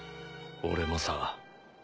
俺もさ。